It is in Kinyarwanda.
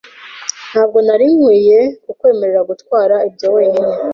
Ntabwo nari nkwiye kukwemerera gutwara ibyo wenyine.